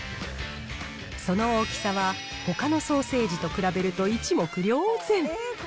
その大きさはほかのソーセージと比べると一目瞭然。